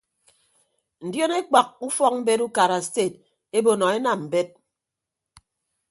Ndion ekpak ufọkmbet ukara sted ebo nọ enam mbet.